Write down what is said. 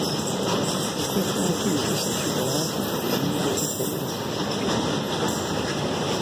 Per questo motivo è considerato uno dei migliori coloranti gialli naturali.